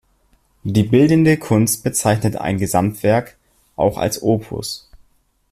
Die bildende Kunst bezeichnet ein Gesamtwerk auch als Opus.